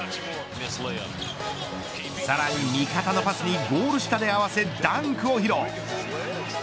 さらに味方のパスにゴール下で合わせダンクを披露。